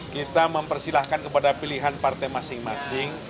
kita mempersilahkan kepada pilihan partai masing masing